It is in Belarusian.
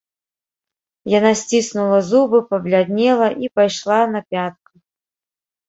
Яна сціснула зубы, пабляднела і пайшла на пятках.